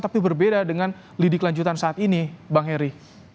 tapi berbeda dengan lidik lanjutan saat ini bang heri